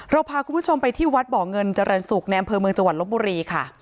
เราพาคุณผู้ชมไปที่วัดบ่อเงินเจริญสุกแนมเพลิงเมืองจังหวันลบบุรีค่ะ